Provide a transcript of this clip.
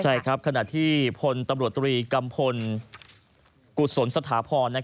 ใช่ครับขณะที่พลตำรวจตรีกัมพลกุศลสถาพร